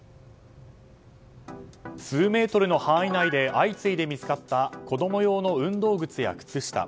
数メートルの範囲内で相次いで見つかった子供用の運動靴や靴下。